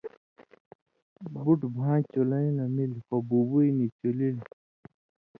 بُٹہۡ بھاں چُلَیں لمِل خو بُبوئ نی چولِلیۡ۔